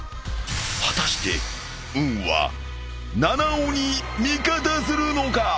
［果たして運は菜々緒に味方するのか？］